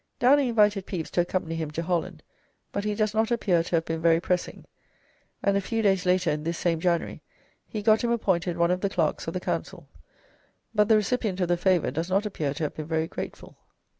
Downing invited Pepys to accompany him to Holland, but he does not appear to have been very pressing, and a few days later in this same January he got him appointed one of the Clerks of the Council, but the recipient of the favour does not appear to have been very grateful.